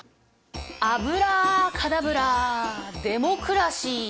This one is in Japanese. アブラカダブラデモクラシー。